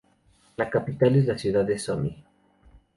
La capital es la ciudad de Sumy.